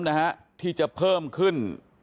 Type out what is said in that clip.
นะฮะที่จะเพิ่มขึ้น